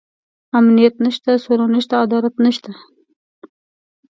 امنيت نشته، سوله نشته، عدالت نشته.